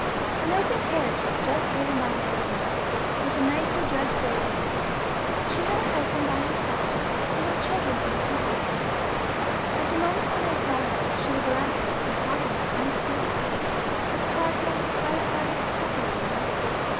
"An open carriage has just driven by my window, with a nicely dressed lady in it. She had her husband by her side, and her children on the seat opposite. At the moment when I saw her she was laughing and talking in high spirits a sparkling, light hearted, happy woman.